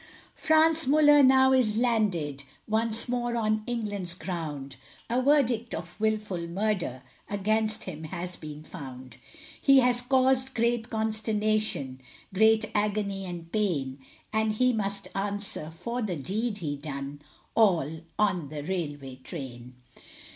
Franz Muller now is landed, Once more on England's ground, A verdict of wilful murder Against him has been found. He has caused great consternation, Great agony and pain, And he must answer for the deed he done All on the railway train.